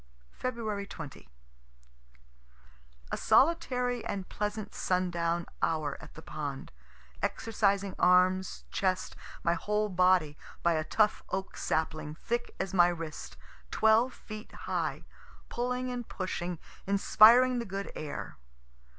Feb. 20. A solitary and pleasant sundown hour at the pond, exercising arms, chest, my whole body, by a tough oak sapling thick as my wrist, twelve feet high pulling and pushing, inspiring the good air.